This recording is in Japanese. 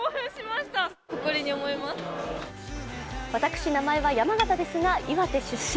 私、名前は山形ですが岩手出身。